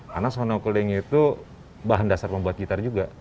karena sonokeling itu bahan dasar pembuat gitar juga